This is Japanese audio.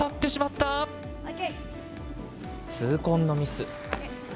痛恨のミス。